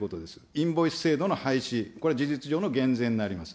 インボイス制度の廃止、これは事実上の減税になります。